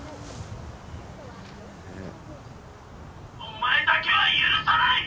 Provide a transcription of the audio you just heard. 「お前だけは許さない！」。